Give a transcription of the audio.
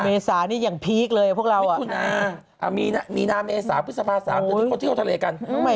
เมสานี่อย่างพีคเลยพวกเรา